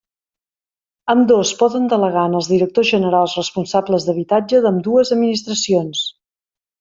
Ambdós poden delegar en els directors generals responsables d'habitatge d'ambdues administracions.